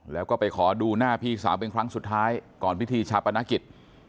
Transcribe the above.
แล้วก็ไปขอดูหน้าพี่สาวเป็นครั้งสุดท้ายก่อนพิธีชาปนกิจ